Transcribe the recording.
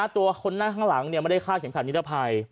ตัวคนนั้นข้างหลังเนี่ยไม่ได้ฆ่าเข็มขาดนิรภัย